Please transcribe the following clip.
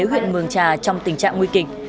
huyện mường trà trong tình trạng nguy kịch